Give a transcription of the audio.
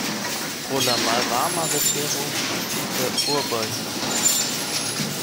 Pro la malvarma vetero precipe urboj fondiĝis.